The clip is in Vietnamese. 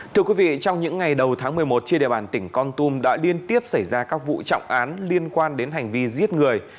thưa quý vị trong những ngày đầu tháng một mươi một trên địa bàn tỉnh con tum đã liên tiếp xảy ra các vụ trọng án liên quan đến hành vi giết người